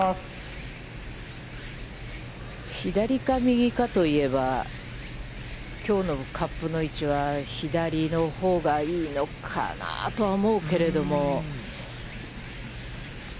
左か右かといえば、きょうのカップの位置は左のほうがいいのかなあとは思うけれども。